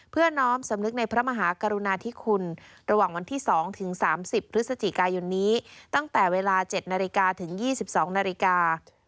น้อมสำนึกในพระมหากรุณาธิคุณระหว่างวันที่๒ถึง๓๐พฤศจิกายนนี้ตั้งแต่เวลา๗นาฬิกาถึง๒๒นาฬิกา